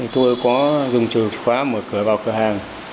tôi có dùng trùm chìa khóa mở cửa vào cửa hàng